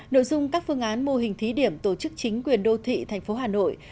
nội dung các phương án mô hình thí điểm tổ chức chính quyền đô thị thành phố hà nội